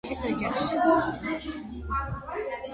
იოჰან გალტუნგი დაიბადა ოსლოში, ფიზიკოსების ოჯახში.